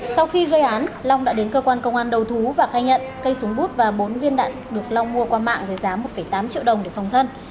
sau khi gây án long đã đến cơ quan công an đầu thú và khai nhận cây súng bút và bốn viên đạn được long mua qua mạng với giá một tám triệu đồng để phòng thân